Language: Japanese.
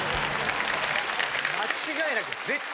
間違いなく。